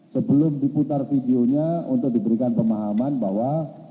sebelum diputar videonya untuk diberikan pemahaman bahwa